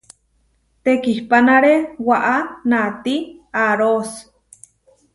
Tekihpánare waʼá naáti aarós.